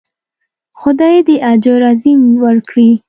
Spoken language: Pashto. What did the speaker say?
خدای دې اجر عظیم ورکړي.